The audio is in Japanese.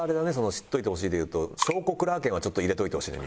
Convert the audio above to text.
知っといてほしいで言うと承子クラーケンはちょっと入れといてほしいね